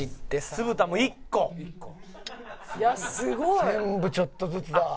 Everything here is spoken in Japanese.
「全部ちょっとずつだ」